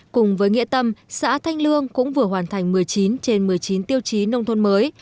cùng với nghĩa tâm xã thanh lương cũng vừa hoàn thành một mươi chín trên một mươi chín tiêu chí nông thôn mới